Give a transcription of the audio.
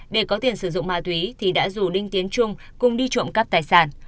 để có tiền sử dụng ma túy thì đã rủ đinh tiến trung cùng đi trộm cắp tài sản